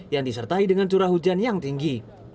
yang disertai dengan curah hujan yang tinggi